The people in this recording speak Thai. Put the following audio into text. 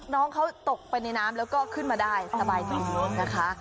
น้องเขาตกไปในน้ำแล้วก็ขึ้นมาได้สบายดีนะคะ